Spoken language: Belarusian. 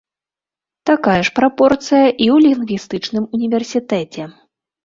Такая ж прапорцыя і ў лінгвістычным універсітэце.